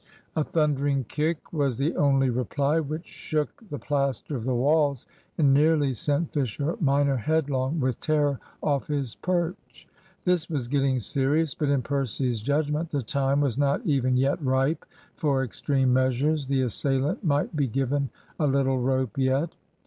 A thundering kick was the only reply, which shook the plaster of the walls, and nearly sent Fisher minor headlong with terror off his perch. This was getting serious. But in Percy's judgment the time was not even yet ripe for extreme measures. The assailant might be given a little rope yet.